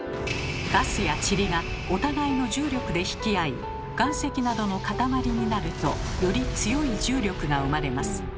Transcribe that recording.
ガスやちりがお互いの重力で引き合い岩石などの塊になるとより強い重力が生まれます。